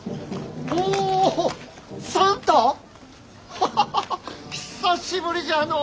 ハハハハッ久しぶりじゃのう！